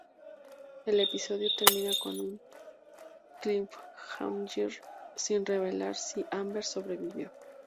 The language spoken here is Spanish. El episodio termina con un "cliffhanger", sin revelar si Amber sobrevivió.